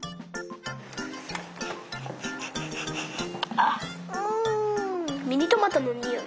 あっうんミニトマトのにおい。